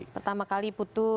pertama kali putus sekolah